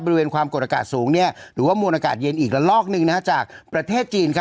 บริเวณความกลกอากาศสูงเนี่ย